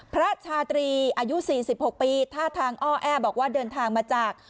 พระชาตรีอายุ๔๖ปีท่าทางอ้อแอ้บอกว่าเดินทางมาจาก